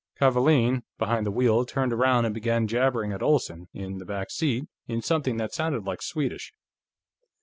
Kavaalen, behind the wheel, turned around and began jabbering at Olsen, in the back seat, in something that sounded like Swedish.